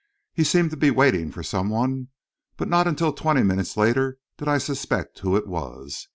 He seemed to be waiting for some one, but not until twenty minutes later did I suspect who it was.